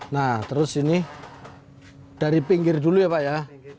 nah terus ini dari pinggir dulu ya pak ya